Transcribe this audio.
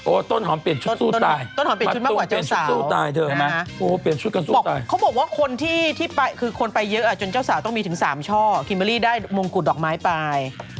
โอ้โธ่ต้นหอมเปลี่ยนชุดสู้ตาย